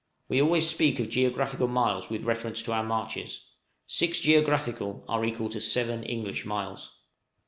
We always speak of geographical miles with reference to our marches; six geographical are equal to seven English miles.